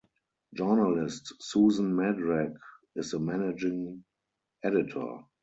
Journalist Susan Madrak is the managing editor.